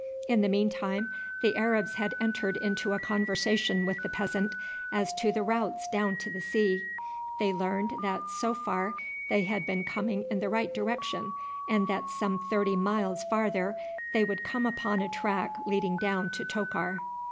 In the meantime the Arabs had entered into a conversation with the peasant as to the routes down to the sea. They learned that so far they had been coming in the right direction, and that some thirty miles farther they would come upon a track leading down to Tokar.